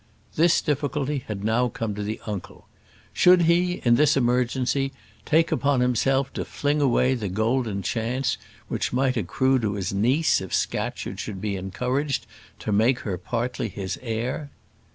This difficulty had now come to the uncle. Should he, in this emergency, take upon himself to fling away the golden chance which might accrue to his niece if Scatcherd should be encouraged to make her partly his heir?